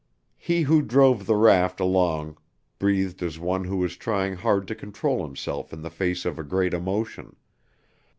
He who drove the raft along breathed as one who is trying hard to control himself in the face of a great emotion.